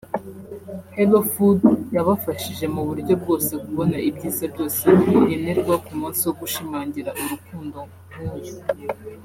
Hellofood yabafashije mu buryo bwose kubona ibyiza byose nkenerwa ku munsi wo gushimangira urukundo nk’uyu